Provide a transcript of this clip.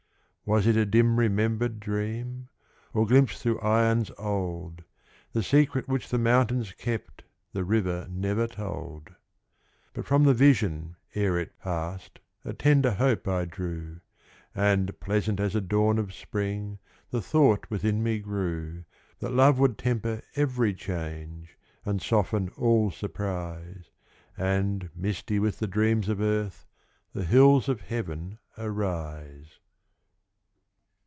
Was it a dim remembered dream? Or glimpse through aeons old? The secret which the mountains kept The river never told. But from the vision ere it passed A tender hope I drew, And, pleasant as a dawn of spring, The thought within me grew, That love would temper every change, And soften all surprise, And, misty with the dreams of earth, The hills of Heaven arise.